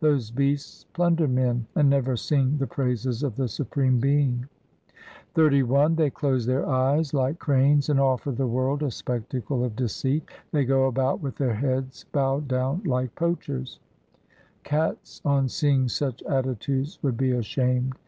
Those beasts plunder men, and never sing the praises of the Supreme Being. XXXI They close their eyes like cranes and offer the world a spectacle of deceit. They go about with their heads bowed down like poachers ; cats on seeing such attitudes would be ashamed.